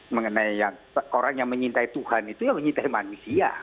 mengenai orang yang menyintai tuhan itu yang menyintai manusia